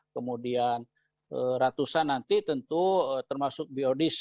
kemudian ratusan nanti tentu termasuk biodies